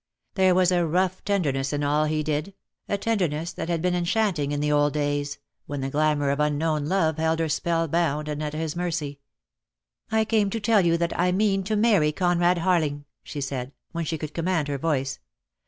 There was a rough tenderness in all he did, a tenderness that had been enchanting in the old days, when the glamour of unknown love held her spell bound and at his mercy. "I came to you to tell you that I mean to marry Conrad Harling," she said, when she could com mand her voice.